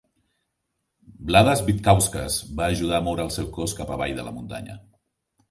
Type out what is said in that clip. Vladas Vitkauskas va ajudar a moure el seu cos cap avall de la muntanya.